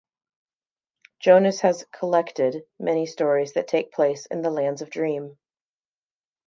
Jonas has "collected" many stories that take place in the Lands of Dream.